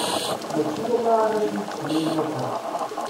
Mačči ala arrac i yettxemmimen akka.